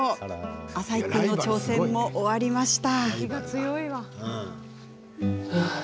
浅井君の挑戦も終わりました。